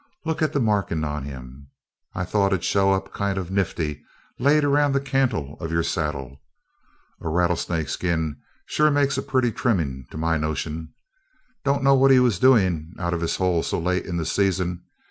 "Look at the markin' on him. I thought it ud show up kind of nifty laid around the cantle of your saddle. A rattlesnake skin shore makes a purty trimmin', to my notion. Don't know what he was doin' out of his hole so late in the season.